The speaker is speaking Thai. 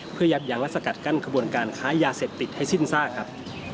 เพื่อยับยั้งและสกัดกั้นขบวนการค้ายาเสพติดให้สิ้นซากครับ